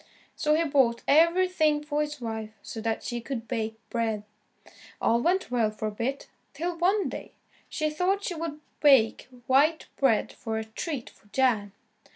So he bought everything for his wife so that she could bake bread. All went well for a bit, till one day, she thought she would bake white bread for a treat for Jan.